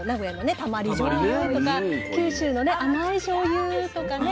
たまりじょうゆとか九州のね甘いしょうゆとかね